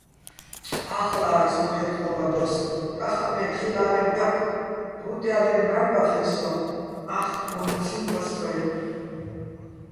ა́ხვალა́რასო̆, მოჰ̦ე́ ტყო́ბადოს, და́ხაჸ მე თხილა́რეჼ პარკ ღრუტჲა́ლ'ენო̆ ბჵარბახეჼ სოჼ, ა́ხგო́მცი ბასბაჲლნო̆.